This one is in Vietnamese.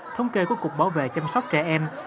thống kê của cục bảo vệ chăm sóc trẻ em